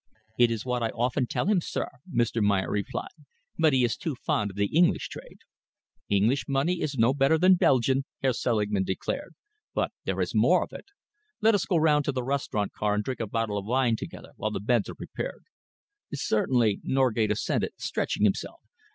"It is what I often tell him, sir," Mr. Meyer replied, "but he is too fond of the English trade." "English money is no better than Belgian," Herr Selingman declared, "but there is more of it. Let us go round to the restaurant car and drink a bottle of wine together while the beds are prepared." "Certainly," Norgate assented, stretching himself.